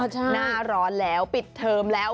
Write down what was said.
หน้าร้อนแล้วปิดเทอมแล้ว